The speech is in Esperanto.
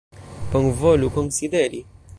Bonvolu konsideri.